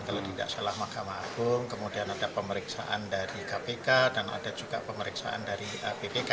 kalau tidak salah mahkamah agung kemudian ada pemeriksaan dari kpk dan ada juga pemeriksaan dari bpk